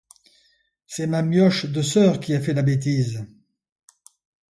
C'est ma mioche de soeur qui a fait la bêtise.